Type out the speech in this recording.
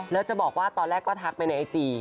แล้วจะบอกว่าตอนแรกก็ทักไปในไอจี